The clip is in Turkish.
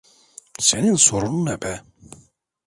Senin sorunun ne be?